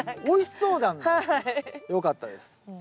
おいしそうな。よかったです。